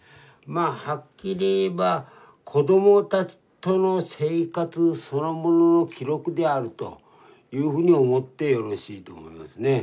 まあはっきり言えば子どもたちとの生活そのものの記録であるというふうに思ってよろしいと思いますね。